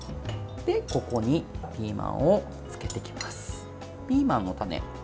ここにピーマンを漬けていきます。